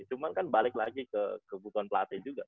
cuma kan balik lagi ke butuhan pelatih juga sih